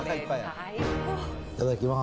いただきます。